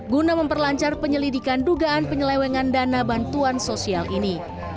guna memperlancar penyelidikan dugaan penyelewengan dana bantuan sosial ini